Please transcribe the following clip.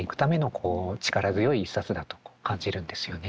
こう力強い一冊だと感じるんですよね。